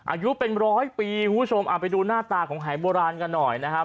อายุเป็นร้อยปีคุณผู้ชมเอาไปดูหน้าตาของหายโบราณกันหน่อยนะครับ